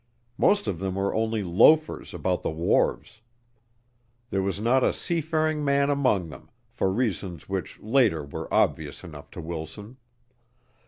Most of them were only loafers about the wharves. There was not a seafaring man among them, for reasons which later were obvious enough to Wilson.